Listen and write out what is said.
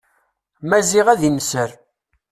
Maziɣ ad inser.